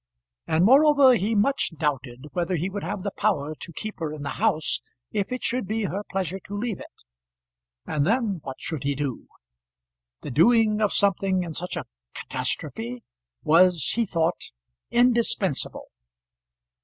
And, moreover, he much doubted whether he would have the power to keep her in the house if it should be her pleasure to leave it. And then what should he do? The doing of something in such a catastrophe was, he thought, indispensable.